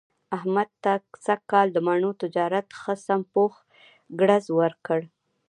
احمد ته سږ کال د مڼو تجارت ښه سم پوخ ګړز ورکړ.